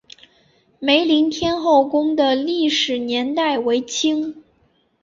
梅林天后宫的历史年代为清。